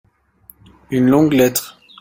un longue lettre.